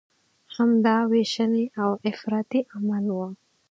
همدا ویشنې او افراطي عمل و.